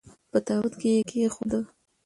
په تابوت کې یې کښېښود.